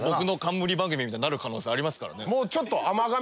みたいになる可能性ありますからね。